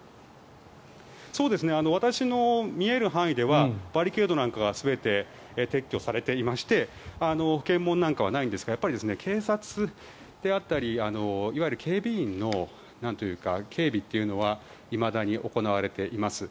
私の見える範囲ではバリケードなんかは全て撤去されていまして検問なんかはないんですが警察だったりいわゆる警備員の警備っていうのはいまだに行われています。